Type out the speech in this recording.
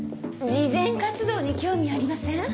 慈善活動に興味ありません？